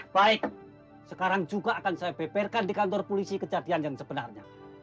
baik sekarang juga akan saya beberkan di kantor polisi kejadian yang sebenarnya